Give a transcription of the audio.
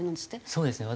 そうですね。